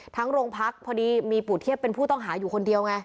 โรงพักพอดีมีปู่เทียบเป็นผู้ต้องหาอยู่คนเดียวไง